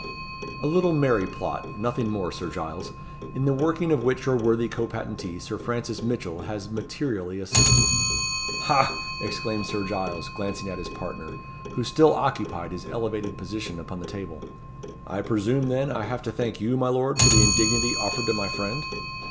"A little merry plot; nothing more, Sir Giles in the working of which your worthy co patentee, Sir Francis Mitchell, has materially assisted." "Ha!" exclaimed Sir Giles, glancing at his partner, who still occupied his elevated position upon the table "I presume, then, I have to thank you, my lord, for the indignity offered to my friend?"